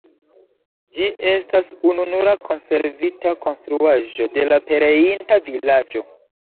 Ĝi estas ununura konservita konstruaĵo de la pereinta vilaĝo.